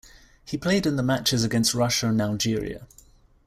He played in the matches against Russia and Algeria.